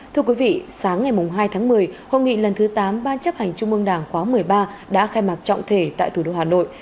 thưa quý vị sáng ngày hai tháng một mươi hội nghị lần thứ tám ban chấp hành trung mương đảng khóa một mươi ba đã khai mạc trọng thể tại thủ đô hà nội